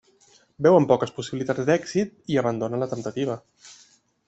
Veuen poques possibilitats d'èxit i abandonen la temptativa.